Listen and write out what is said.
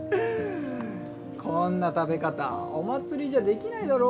こんな食べ方お祭りじゃできないだろ。